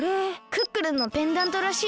クックルンのペンダントらしいよ。